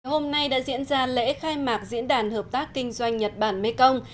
hôm nay đã diễn ra lễ khai mạc diễn đàn hợp tác kinh doanh nhật bản mê công